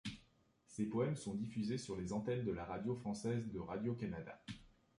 Ses poèmes sont diffusés sur les antennes de la radio française de Radio-Canada.